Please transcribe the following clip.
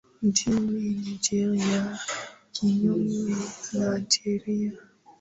mjini nigeria kinyume na sheria